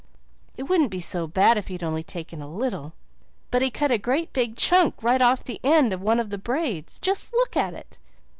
It wouldn't be so bad if he'd only taken a little, but he cut a great big chunk right off the end of one of the braids. Just look at it.